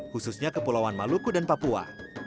khususnya kepulauan maluku dan papua